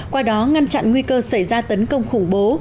qua đó ngăn chặn nguy cơ xảy ra tấn công khủng bố